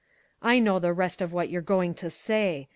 "I know the rest of what you're going to say.